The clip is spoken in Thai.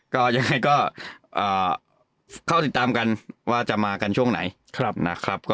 ก็ยังไงก็เข้าติดตามกันว่าจะมากันช่วงไหนนะครับ